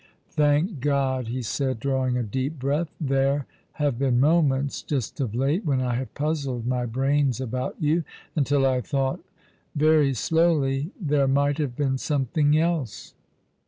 " Thank God !" he said, drawing a deep breath. " There have been moments — ^just of late — when I have puzzled my brains about you — until I thought —" very slowly, "there might have been something else."